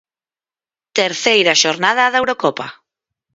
Terceira xornada da Eurocopa.